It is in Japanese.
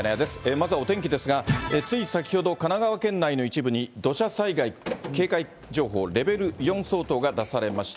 まずはお天気ですが、つい先ほど、神奈川県内の一部に、土砂災害警戒情報レベル４相当が出されました。